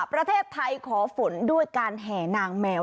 ประเทศไทยขอฝนด้วยการแห่นางแมว